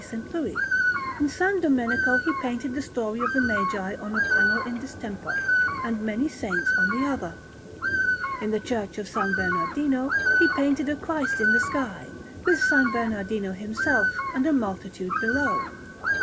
Louis. In S. Domenico he painted the story of the Magi on a panel in distemper, and many saints on another. In the Church of S. Bernardino he painted a Christ in the sky, with S. Bernardino himself, and a multitude below.